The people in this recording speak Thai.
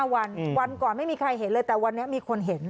วันก่อนไม่มีใครเห็นเลยแต่วันนี้มีคนเห็น